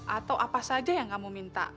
atau apa saja yang kamu minta